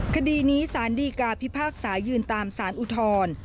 คดีนี้สารดีกาพิพากษายืนตามสารอุทธร